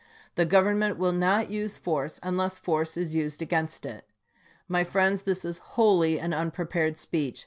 The Govern ment will not use force, unless force is used against it. My friends, this is wholly an unprepared speech.